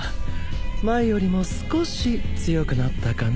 前よりも少し強くなったかな？